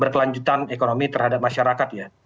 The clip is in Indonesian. berkelanjutan ekonomi terhadap masyarakat ya